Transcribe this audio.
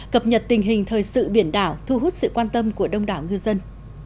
cập nhật tình hình thời sự biển đảo thu hút sự quan tâm của đông đảo ngư dân